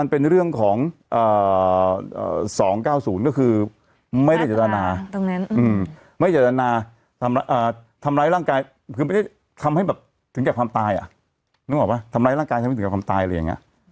ก็ต้องถามถามขึ้นให้มันสิ้นจับตาย